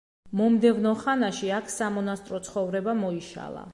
მომდევნო ხანაში აქ სამონასტრო ცხოვრება მოიშალა.